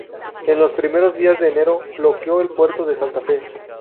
En los primeros días de enero, bloqueó el puerto de Santa Fe.